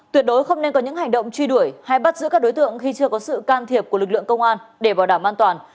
tuyệt đối không nên có những hành động truy đuổi hay bắt giữ các đối tượng khi chưa có sự can thiệp của lực lượng công an để bảo đảm an toàn